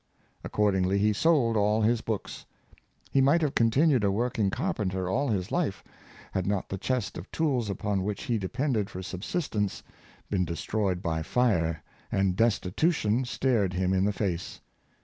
Accordingly he sold all his books. He might have continued a working carpenter all his life had not the chest of tools upon which he depended for subsistence been destroyed by fire, and destitution stared him in the face.